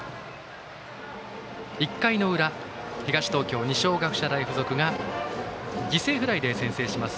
１回裏、東東京二松学舎大付属が犠牲フライで先制します。